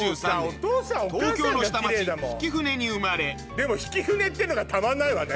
でも曳舟っていうのがたまんないわね